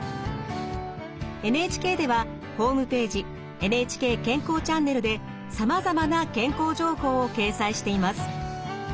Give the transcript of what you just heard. ＮＨＫではホームページ「ＮＨＫ健康チャンネル」でさまざまな健康情報を掲載しています。